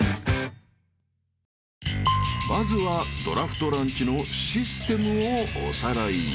［まずはドラフトランチのシステムをおさらい］